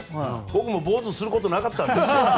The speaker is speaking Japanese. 僕も坊主にすることなかったんです。